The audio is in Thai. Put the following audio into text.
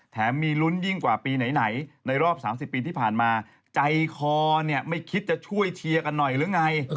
มีลุ้นยิ่งกว่าปีไหนในรอบ๓๐ปีที่ผ่านมาใจคอเนี่ยไม่คิดจะช่วยเชียร์กันหน่อยหรือไง